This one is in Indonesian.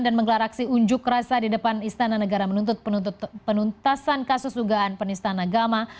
dan menggelar aksi unjuk rasa di depan istana negara menuntut penuntasan kasus dugaan penistaan agama